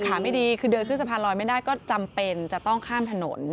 ไม่ดีคือเดินขึ้นสะพานลอยไม่ได้ก็จำเป็นจะต้องข้ามถนน